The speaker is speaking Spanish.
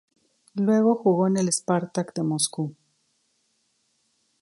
Luego jugó en el Spartak de Moscú.